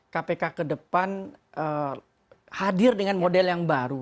kpk kedepan hadir dengan model yang baru